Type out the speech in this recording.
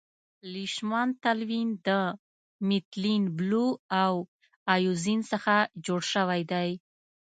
لیشمان تلوین د میتیلین بلو او اییوزین څخه جوړ شوی دی.